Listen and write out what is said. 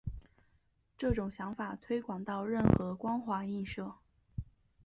这种想法推广到任何光滑映射。